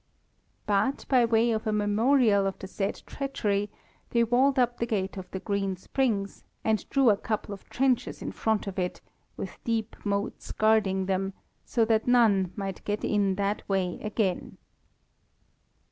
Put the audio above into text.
But, by way of a memorial of the sad treachery, they walled up the gate of the Green Springs, and drew a couple of trenches in front of it, with deep moats guarding them, so that none might get in that way again.